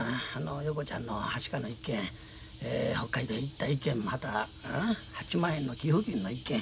陽子ちゃんのはしかの一件北海道へ行った一件また８万円の寄付金の一件。